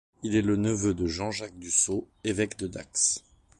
Il est le neveu de Jean-Jacques du Sault évêque de Dax.